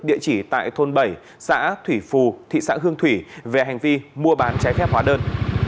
địa chỉ tại thôn bảy xã thủy phù thị xã hương thủy về hành vi mua bán trái phép hóa đơn